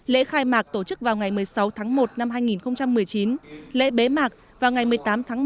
lễ khai mạc tổ chức vào ngày một mươi sáu tháng một năm hai nghìn một mươi chín lễ bế mạc vào ngày một mươi tám tháng một năm hai nghìn một mươi chín